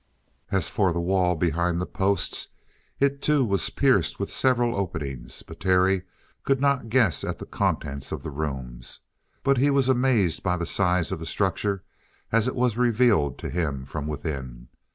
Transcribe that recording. As for the wall behind the posts, it, too, was pierced with several openings, but Terry could not guess at the contents of the rooms. But he was amazed by the size of the structure as it was revealed to him from within.